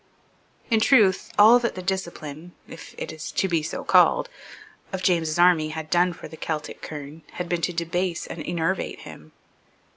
In truth, all that the discipline, if it is to be so called, of James's army had done for the Celtic kerne had been to debase and enervate him.